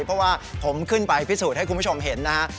เพราะว่าผมขึ้นไปพิสูจน์ให้คุณผู้ชมเห็นนะฮะ